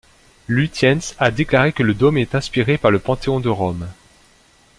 Lutyens a déclaré que le dôme est inspiré par le Panthéon de Rome.